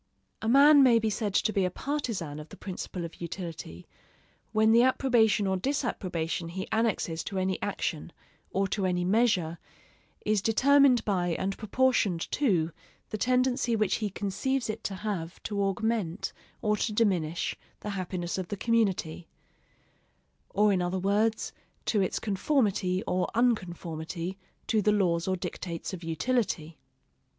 A man may be said to be a partisan of the principle of utility, when the approbation or disapprobation he annexes to any action, or to any measure, is determined by and proportioned to the tendency which he conceives it to have to augment or to diminish the happiness of the community; or in other words, to its conformity or unconformity to the laws or dictates of utility.